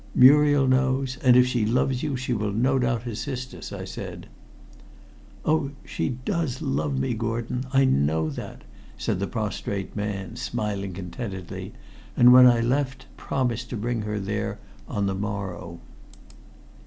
"Muriel knows, and if she loves you she will no doubt assist us," I said. "Oh, she does love me, Gordon, I know that," said the prostrate man, smiling contentedly, and when I left I promised to bring her there on the morrow.